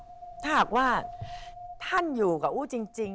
ถ้าหากว่าท่านอยู่กับอู้จริง